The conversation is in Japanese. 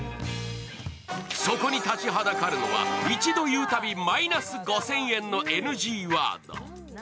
そこに立ちはだかるのは１度言うたびマイナス５０００円のＮＧワード。